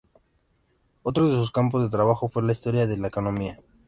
Otro de sus campos de trabajo fue la historia de la economía.